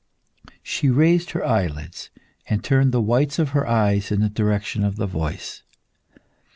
She raised her eyelids, and turned the whites of her eyes in the direction of the voice.